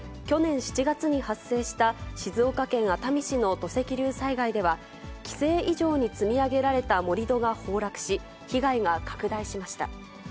去年７月に発生した静岡県熱海市の土石流災害では、規制以上に積み上げられた盛り土が崩落し、被害が拡大しました。